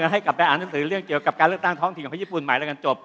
ให้กลับไปอ่านหนังสือเรื่องเกี่ยวกับการเลือกตั้งท้องถิ่นของญี่ปุ่นใหม่แล้วกันจบ